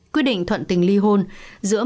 quyết định thuận tình ly hôn giữa